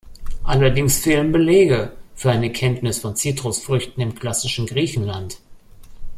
Allerdings fehlen Belege für eine Kenntnis von Zitrusfrüchten im klassischen Griechenland.